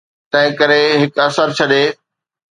تنهنڪري هڪ اثر ڇڏي.